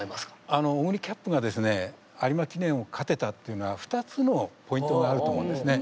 あのオグリキャップがですね有馬記念を勝てたっていうのは２つのポイントがあると思うんですね。